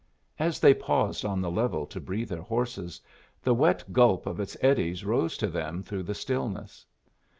As they paused on the level to breathe their horses, the wet gulp of its eddies rose to them through the stillness.